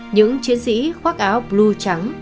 những chiến sĩ khoác áo blue trắng